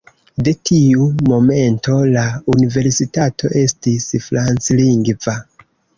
De tiu momento la universitato estis franclingva.